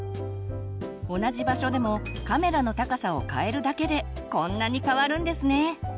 同じ場所でもカメラの高さをかえるだけでこんなに変わるんですね。